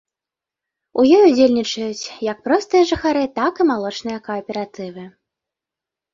У ёй удзельнічаюць як простыя жыхары, так і малочныя кааператывы.